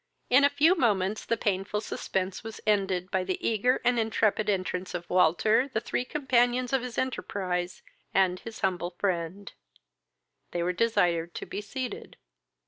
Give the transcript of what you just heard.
In a few moments the painful suspense was ended by the eager and intrepid entrance of Walter, the three companions of his enterprise, and his humble friend: they were desired to be seated.